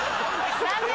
残念！